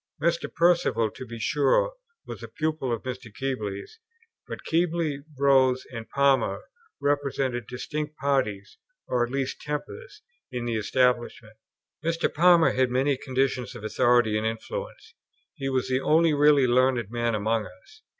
Mr. Perceval, to be sure, was a pupil of Mr. Keble's; but Keble, Rose, and Palmer, represented distinct parties, or at least tempers, in the Establishment. Mr. Palmer had many conditions of authority and influence. He was the only really learned man among us.